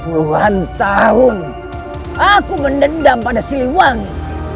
puluhan tahun aku mendendam pada si wangi